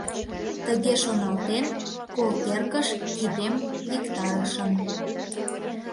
Тыге шоналтен, кол теркыш кидем виктарышым.